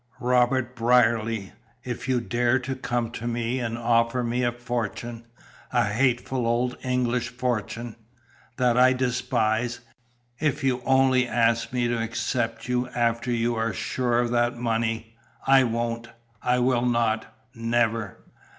"Robert Brierly, if you dare to come to me and offer me a fortune, a hateful old English fortune that I despise; if you only ask me to accept you after you are sure of that money, I won't! I will not! Never!"